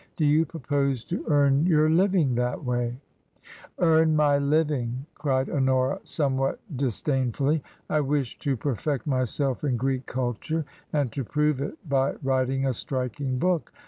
Do you propose to earn your living that way ?"" Earn my living !" cried Honora, somewhat disdain fully. " I wish to perfect myself in Greek culture, and to prove it by writing a striking book.